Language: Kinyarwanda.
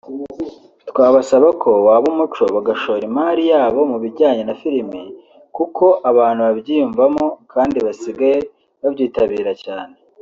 Twabasaba ko waba umuco bagashora imari yabo mu bijyanye n’amafilimi kuko abantu babyiyumvamo kandi basigaye babyitabira cyane